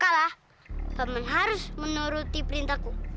kalau kalah harus menuruti perintahku